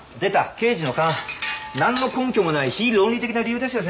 刑事の勘何の根拠もない非論理的な理由ですよ